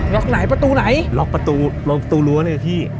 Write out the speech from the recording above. ไหนประตูไหนล็อกประตูล็อกประตูรั้วเนี่ยพี่